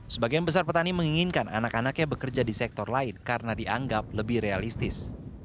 sebagian besar petani menginginkan anak anaknya bekerja di sektor lain karena dianggap lebih realistis